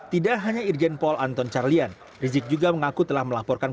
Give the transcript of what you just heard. tidak hanya irjen paul anton carlyan rizik juga mengaku telah melaporkan